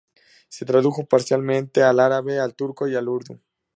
Se tradujo parcialmente al árabe, al turco y al urdu.